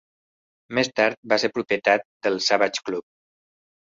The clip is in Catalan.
Més tard va ser propietat del Savage Club.